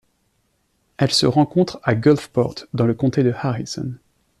Elle se rencontre à Gulfport dans le comté de Harrison.